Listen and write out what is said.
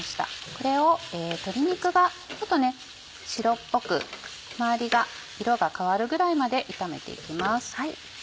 これを鶏肉がちょっと白っぽく周りが色が変わるぐらいまで炒めて行きます。